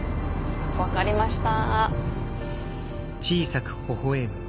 分かりました。